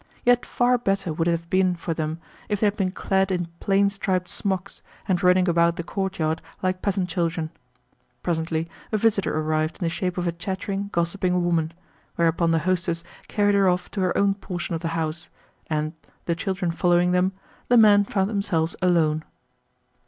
Yet far better would it have been for them if they had been clad in plain striped smocks, and running about the courtyard like peasant children. Presently a visitor arrived in the shape of a chattering, gossiping woman; whereupon the hostess carried her off to her own portion of the house, and, the children following them, the men found themselves alone.